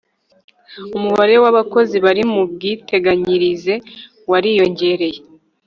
umubare w'abakozi bari mu bwiteganyirize wariyongereye